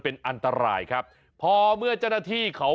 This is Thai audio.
ตอนแรกไตช้าพอจับได้มันรีบหนีเลย